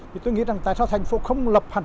thì tôi nghĩ rằng tại sao thành phố không lập hẳn